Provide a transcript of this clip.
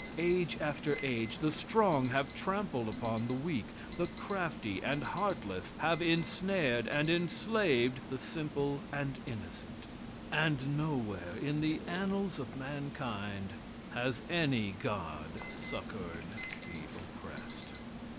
Age after age, the strong have trampled upon the weak; the crafty and heartless have ensnared and enslaved the simple and innocent, and nowhere, in all the annals of mankind, has any god succored the oppressed.